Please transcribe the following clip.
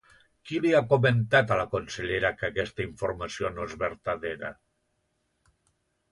Qui li ha comentat a la consellera que aquesta informació no és vertadera?